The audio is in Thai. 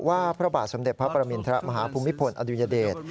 ว่าพระบาทสำเด็จพระประมินทรัฐมหาภูมิผลอดุญเดช